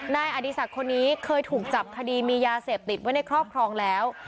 นายอดีศักดิ์คนนี้เคยถูกจับคดีมียาเสพติดไว้ในครอบครองแล้ว